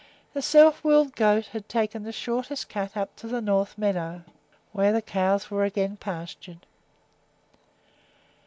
The self willed goat had taken the shortest cut up to the north meadow, where the cows were again pastured.